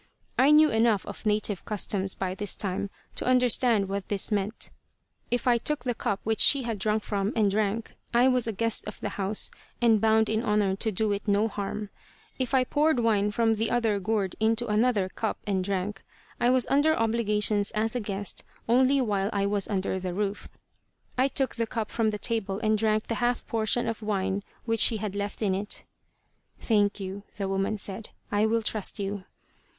I knew enough of native customs by this time to understand what this meant. If I took the cup which she had drunk from, and drank, I was a guest of the house, and bound in honor to do it no harm. If I poured wine from the other gourd into another cup and drank, I was under obligations as a guest only while I was under the roof. I took the cup from the table and drank the half portion of wine which she had left in it. "Thank you," the woman said. "I will trust you."